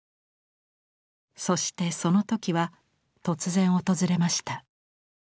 そしてその時は突然訪れました。